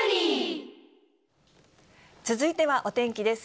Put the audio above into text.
続いてはお天気です。